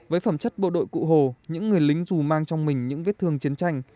với phẩm chất bộ đội cụ hồ những người lính dù mang trong mình những vết thương chiến tranh